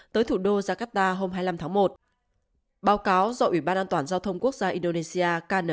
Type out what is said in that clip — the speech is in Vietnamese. tới thủ đô jakarta hôm hai mươi năm tháng một báo cáo do ủy ban an toàn giao thông quốc gia indonesia